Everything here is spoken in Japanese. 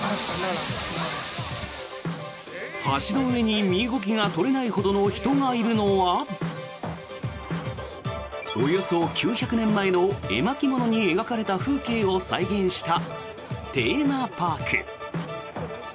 橋の上に身動きが取れないほどの人がいるのはおよそ９００年前の絵巻物に描かれた風景を再現したテーマパーク。